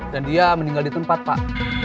dan dia meninggal di tempat pak